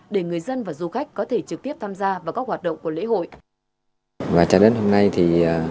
để người dân và du khách có thể trực tiếp tham gia vào các hoạt động của lễ hội